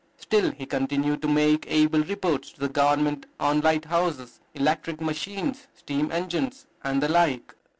Still he continued to make able reports to the government on lighthouses, electric machines, steam engines, and the like.